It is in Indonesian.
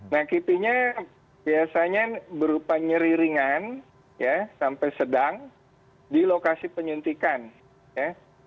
nah kipinya biasanya berupa nyeri ringan ya sampai sedang di lokasi penyuntikan ya